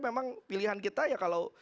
memang pilihan kita ya kalau